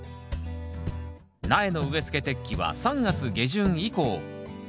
苗の植えつけ適期は３月下旬以降。